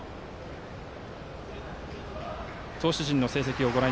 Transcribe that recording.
投手陣の成績です。